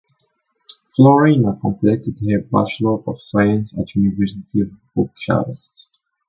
Floriana completed her Bachelor of Science at University of Bucharest.